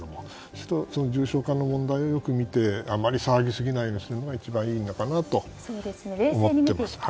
重症化の問題をよく見て、あまり騒ぎすぎないようにするのが一番いいのかなと。